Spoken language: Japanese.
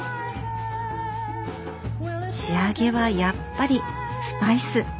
仕上げはやっぱりスパイス！